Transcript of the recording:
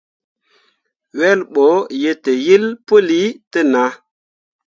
Wel ɓo yetǝyel puli te nah.